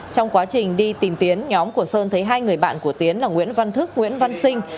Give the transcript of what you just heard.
trong quá trình đi tìm tiến nhóm của sơn thấy hai người bạn của tiến là nguyễn văn thức nguyễn văn sinh